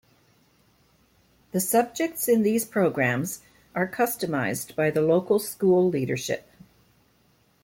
These subjects in these programmes are customised by the local school leadership.